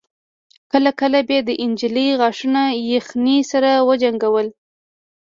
کله کله به د نجلۍ غاښونه يخنۍ سره وجنګول.